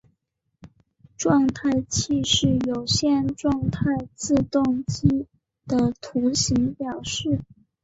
状态器是有限状态自动机的图形表示。